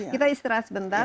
kita istirahat sebentar